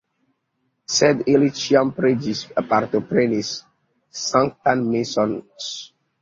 Sed ili ĉiam preĝis, partoprenis sanktan meson ks.